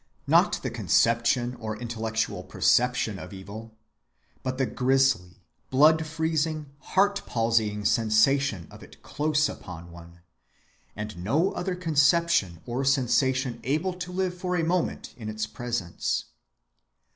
Not the conception or intellectual perception of evil, but the grisly blood‐freezing heart‐palsying sensation of it close upon one, and no other conception or sensation able to live for a moment in its presence.